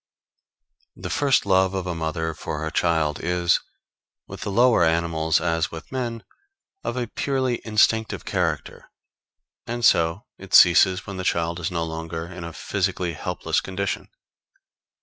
] The first love of a mother for her child is, with the lower animals as with men, of a purely instinctive character, and so it ceases when the child is no longer in a physically helpless condition.